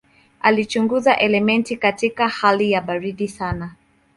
Alichunguza elementi katika hali ya baridi sana.